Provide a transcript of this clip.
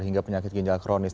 hingga penyakit ginjal kronis